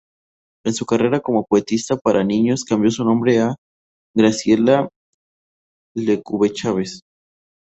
En su carrera como poetisa para niños cambió su nombre a "Graciela Lecube-Chavez".